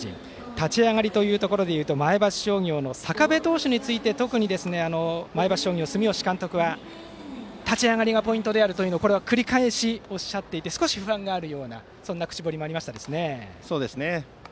立ち上がりというところでいうと前橋商業の坂部投手について特に前橋商業の住吉監督は立ち上がりがポイントであると繰り返しおっしゃっていて少し不安があるというような口ぶりもありました。